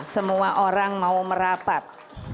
semua orang mau merapat